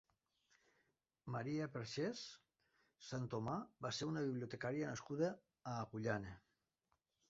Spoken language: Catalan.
Maria Perxés Santomà va ser una bibliotecària nascuda a Agullana.